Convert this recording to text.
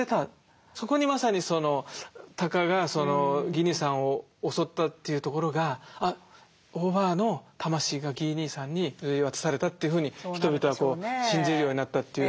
そこにまさにその鷹がギー兄さんを襲ったというところがあっオーバーの魂がギー兄さんに譲り渡されたというふうに人々はこう信じるようになったという。